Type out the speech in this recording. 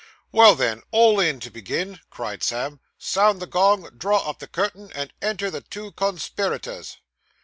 'Well then, all in to begin!' cried Sam. 'Sound the gong, draw up the curtain, and enter the two conspiraytors.